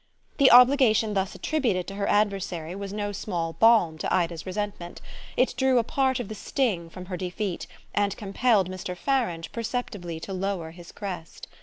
The obligation thus attributed to her adversary was no small balm to Ida's resentment; it drew a part of the sting from her defeat and compelled Mr. Farange perceptibly to lower his crest.